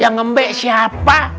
yang embe siapa